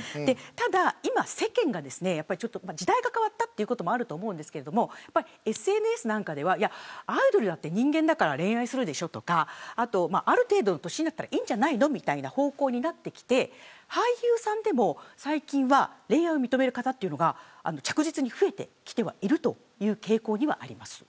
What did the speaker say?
ただ世間が、時代が変わったということもあると思うんですけどＳＮＳなんかではアイドルだって人間だから恋愛するでしょとかある程度の年になったらいいんじゃないのっていう方向になってきて俳優さんでも最近は恋愛を認める方が着実に増えてきてはいる傾向にあります。